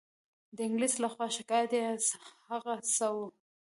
د انګلیس له خوا شکایت یې هغه څه وو.